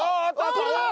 これだ！